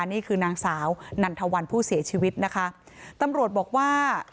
นี่คือนางสาวนันทวันผู้เสียชีวิตนะคะตำรวจบอกว่า